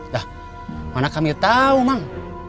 dah mana kami tau emang